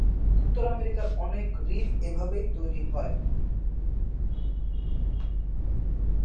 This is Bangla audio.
উত্তর আমেরিকার অনেক হ্রদ এভাবেই তৈরি হয়েছে।